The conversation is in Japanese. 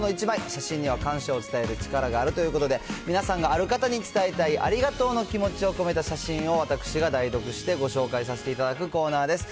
写真には感謝を伝える力があるということで、皆さんがある方に伝えたいありがとうの気持ちを込めた写真を、私が代読してご紹介させていただくコーナーです。